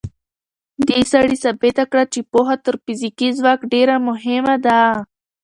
دې سړي ثابته کړه چې پوهه تر فزیکي ځواک ډېره مهمه ده.